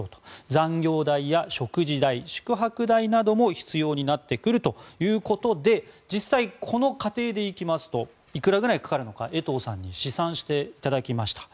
残業代や食事代、宿泊代なども必要になってくるということで実際にこの仮定でいきますといくらぐらいかかるのか江藤さんに試算していただきました。